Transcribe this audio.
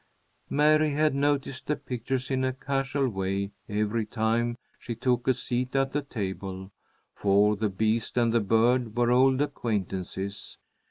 Mary had noticed the pictures in a casual way every time she took a seat at the table, for the beast and the bird were old acquaintances.